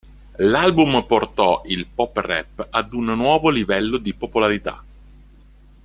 L'album portò il pop rap ad un nuovo livello di popolarità.